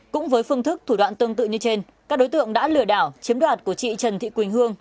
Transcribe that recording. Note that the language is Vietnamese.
cũng với phương thức thủ đoạn tương tự như trên các đối tượng đã lừa đảo chiếm đoạt của chị trần thị quỳnh hương